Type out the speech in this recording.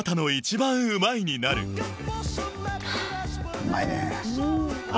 うまいねぇ。